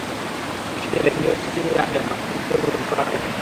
শীত এলে সিনিয়র সিটিজেনদের আসনে বাড়তি যোগ হতো ভাঁজ করা কম্বল।